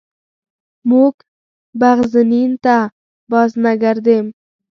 موږ بغزنین ته بازنګردیم.